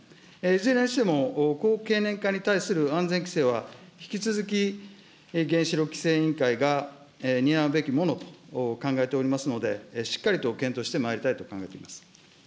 いずれにしても高経年化に対する安全規制は引き続き原子力規制委員会が担うべきものと考えておりますので、しっかりと検討してまいりたいと考えています。